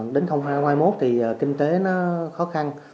đến hai nghìn hai mươi một thì kinh tế nó khó khăn